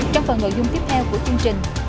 trong phần nội dung tiếp theo của chương trình